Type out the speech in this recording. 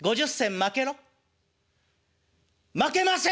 まけません。